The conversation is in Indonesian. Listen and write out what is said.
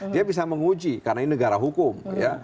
dia bisa menguji karena ini negara hukum ya